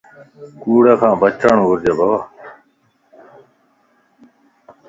ڪوڙ کان بچڻ کپ